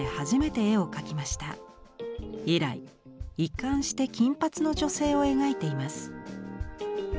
以来一貫して金髪の女性を描いています。